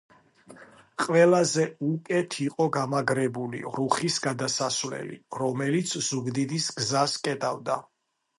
ყველაზე უკეთ იყო გამაგრებული რუხის გადასასვლელი, რომელიც ზუგდიდის გზას კეტავდა.